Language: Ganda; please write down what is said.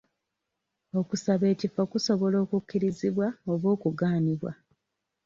Okusaba ekifo kusobola okukkirizibwa oba okugaanibwa.